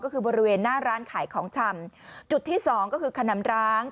ก็คือบริเวณหน้าร้านขายของชำจุดที่สองก็คือขนำร้าง